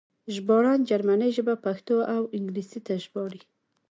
ژباړن جرمنۍ ژبه پښتو او انګلیسي ته ژباړي